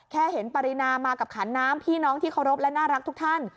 แค่เห็นปรินามากับขันน้ำพี่น้องที่เคารพและน่ารักทุกท่าน